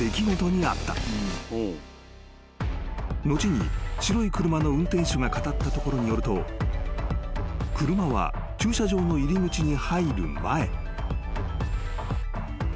［後に白い車の運転手が語ったところによると車は駐車場の入り口に入る前］